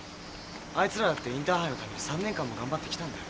あいつらだってインターハイのために３年間も頑張ってきたんだよ。